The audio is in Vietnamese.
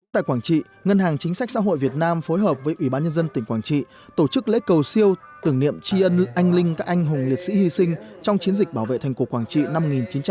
tại quảng trị ngân hàng chính sách xã hội việt nam phối hợp với ủy ban nhân dân tỉnh quảng trị tổ chức lễ cầu siêu tưởng niệm tri ân anh linh các anh hùng liệt sĩ hy sinh trong chiến dịch bảo vệ thành cổ quảng trị năm một nghìn chín trăm bảy mươi